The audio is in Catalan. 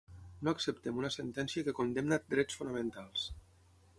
No acceptem una sentència que condemna drets fonamentals.